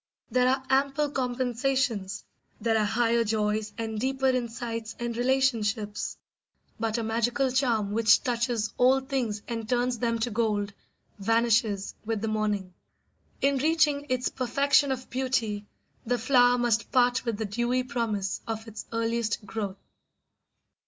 There are ample compensations, there are higher joys and deeper insights and relationships; but a magical charm which touches all things and turns them to gold, vanishes with the morning. In reaching its perfection of beauty the flower must part with the dewy promise of its earliest growth.